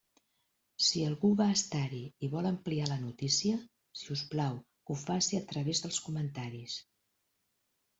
Si algú va estar-hi i vol ampliar la notícia, si us plau que ho faci a través dels comentaris.